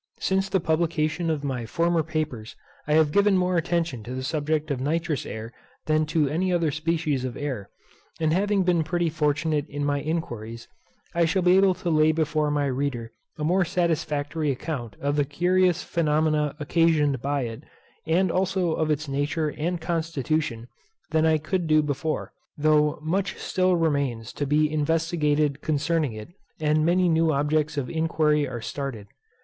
_ Since the publication of my former papers I have given more attention to the subject of nitrous air than to any other species of air; and having been pretty fortunate in my inquiries, I shall be able to lay before my reader a more satisfactory account of the curious phenomena occasioned by it, and also of its nature and constitution, than I could do before, though much still remains to be investigated concerning it, and many new objects of inquiry are started.